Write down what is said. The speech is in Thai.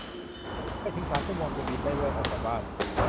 ไม่ถึงสามชั่วโมงจะบิน ได้ฤกษ์ออกจากบ้าน